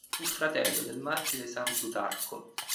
Fu fratello del martire san Plutarco.